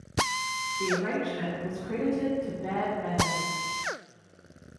The arrangement was credited to Bad Manners.